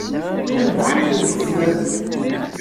Anda ay ten-tessnem?